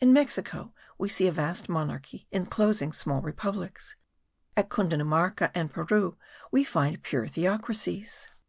In Mexico we see a vast monarchy enclosing small republics; at Cundinamarca and Peru we find pure theocracies.